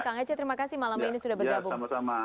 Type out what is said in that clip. kak ngece terima kasih malam ini sudah berjabung